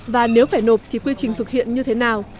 và nếu phải nộp thì quy trình thực hiện như thế nào